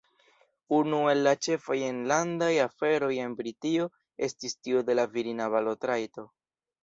Unu el la ĉefaj enlandaj aferoj en Britio estis tiu de la virina balotrajto.